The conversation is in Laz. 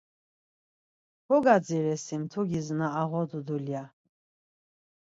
Kogadziresi, mtugis na ağodu dulya.